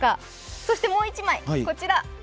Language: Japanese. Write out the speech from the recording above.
そしてもう１枚、こちら。